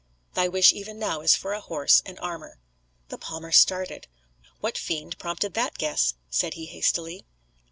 Thy wish even now is for a horse and armour." The palmer started. "What fiend prompted that guess?" said he hastily.